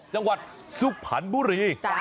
จังหวัดสุขภัณฑ์บุรี